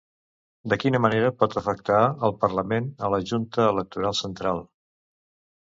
De quina manera pot afectar el Parlament a la Junta Electoral Central?